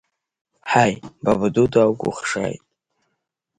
Ҳаи, бабаду дукухшааит!